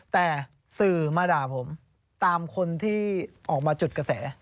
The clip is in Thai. แต่สื่อมาด่าผมตามคนที่ออกมาจุดกระแส